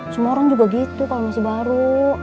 semua orang juga gitu kalau masih baru